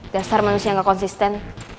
dasar manusia gak konsisten